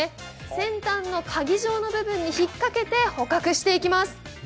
先端のかぎ状の部分に引っかけて捕獲していきます。